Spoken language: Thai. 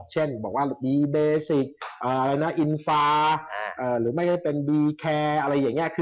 เช่นบอกว่าบีเบสิกอินฟาหรือไม่ได้เป็นบีแคร์